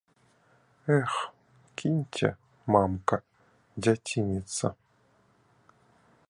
Эх, кіньце, мамка, дзяцініцца!